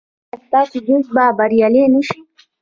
ایا ستاسو دوست به بریالی نه شي؟